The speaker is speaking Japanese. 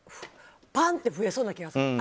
ばーんと増えそうな気がする。